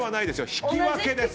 引き分けです。